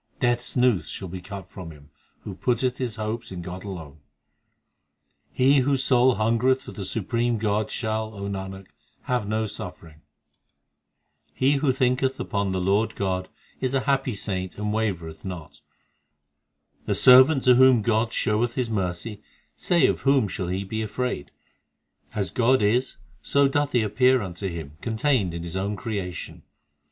Death s noose shall be cut for him Who putteth his hopes in God alone. HYMNS OF GURU ARJAN 241 He whose soul hungereth for the Supreme God, Shall, O Nanak, have no suffering. 5 He who thinketh upon the Lord God, Is a happy saint and waver eth not. The servant to whom God showeth His mercy Say of whom shall he be afraid : As God is, so doth He appear unto him Contained in His own creation.